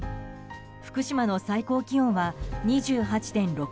福島の最高気温は２８．６度。